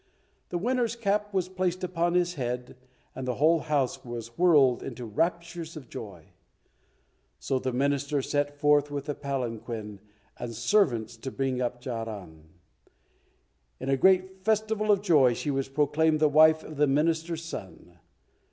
The winner's cap was placed upon his head, and the whole house was whirled into raptures of joy. So the Minister sent forth a palanquin and servants to bring up Charan. In a great festival of joy she was proclaimed the wife of the Minister's son.